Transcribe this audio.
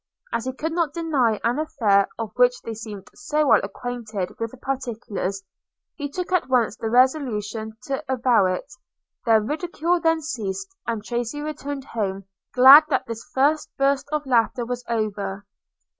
As he could not deny an affair of which they seemed so well acquainted with the particulars, he took at once the resolution to avow it; their ridicule then ceased, and Tracy returned home, glad that this first burst of laughter was over.